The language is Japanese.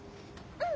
うん。